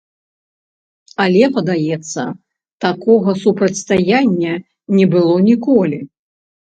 Але, падаецца, такога супрацьстаяння не было ніколі.